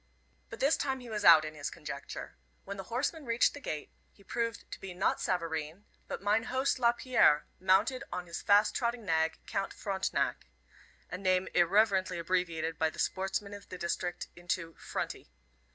But this time he was out in his conjecture. When the horseman reached the gate, he proved to be not Savareen, but mine host Lapierre, mounted on his fast trotting nag, Count Frontenac a name irreverently abbreviated by the sportsmen of the district into "Fronty."